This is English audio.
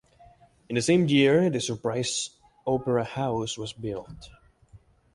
In the same year, the Surprise Opera House was built.